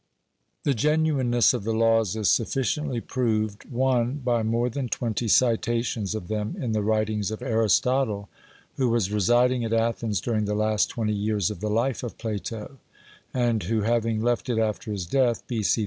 The genuineness of the Laws is sufficiently proved (1) by more than twenty citations of them in the writings of Aristotle, who was residing at Athens during the last twenty years of the life of Plato, and who, having left it after his death (B.C.